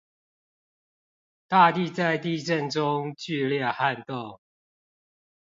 大地在地震中劇烈撼動